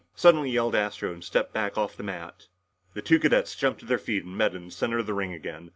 suddenly yelled Astro and stepped back off the mat. The two cadets jumped to their feet and met in the center of the ring again.